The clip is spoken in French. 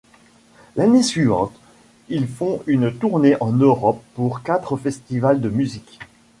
L'année suivante, ils font une tournée en Europe pour quatres festivals de musique.